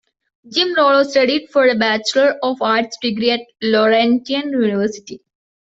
Jim Rollo studied for a Bachelor of Arts degree at Laurentian University.